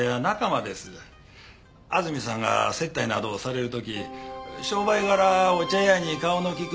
安住さんが接待などをされる時商売柄お茶屋に顔の利く